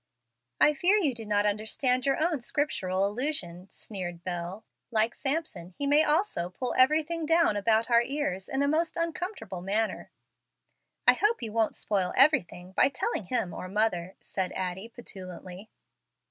"I fear you do not understand your own scriptural allusion," sneered Bel. "Like Samson, he may also pull everything down about our ears in a most uncomfortable manner." "I hope you won't spoil everything by telling him or mother," said Addie, petulantly.